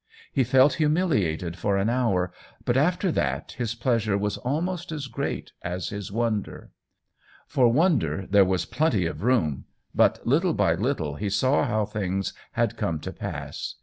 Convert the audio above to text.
He felt humiliated for an hour, but after that his pleasure was almost as great as his wonder. For wonder there was plenty of room, but little by little he saw how things had come to pass.